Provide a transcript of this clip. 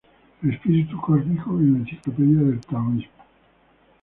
El "Espíritu cósmico" en la enciclopedia del taoísmo.